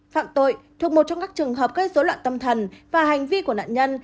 phạm tội thuộc một trong các trường hợp gây dối loạn tâm thần và hành vi của nạn nhân